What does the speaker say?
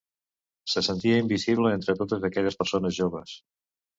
Se sentia invisible entre totes aquelles persones joves.